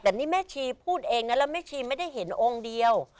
แต่นี่แม่ชีพูดเองนะแล้วแม่ชีไม่ได้เห็นองค์เดียว